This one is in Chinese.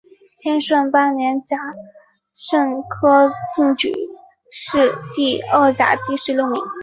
天顺八年甲申科进士第二甲第十六名。